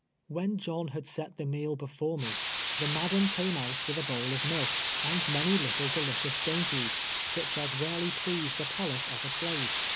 When John had set the meal before me, the madam came out with a bowl of milk, and many little deli cious dainties, such as rarely please the palate of a slave.